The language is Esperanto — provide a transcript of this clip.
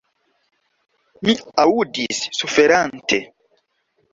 Mi aŭdis, suferante.